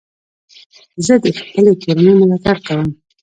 زه د خپلي کورنۍ ملاتړ کوم.